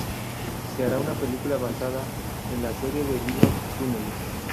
Se hará una película basada en la serie de libros "Túneles".